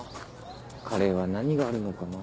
カレーは何があるのかな。